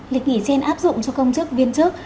lịch nghỉ trên áp dụng cho công chức viên chức